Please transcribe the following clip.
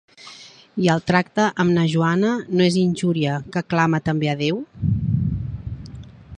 I el tracte amb na Joana, no és injúria que clama també a Déu?